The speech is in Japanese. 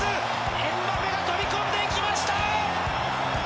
エムバペが飛び込んでいきました！